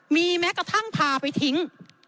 มีแม้กระทั่งพาไปทิ้ง